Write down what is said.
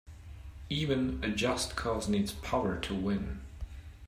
Even a just cause needs power to win.